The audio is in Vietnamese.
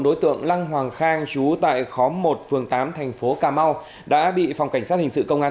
đối tượng lăng hoàng khang trú tại khóm một phường tám thành phố cà mau đã bị phòng cảnh sát hình sự công an